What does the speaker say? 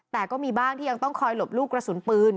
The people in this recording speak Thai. แต่ก็มีบ้างที่ยังต้องคอยหลบลูกกระสุนปืน